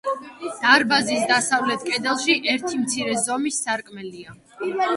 დარბაზის დასავლეთ კედელში ერთი მცირე ზომის სარკმელია.